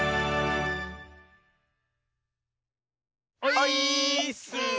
オイーッス！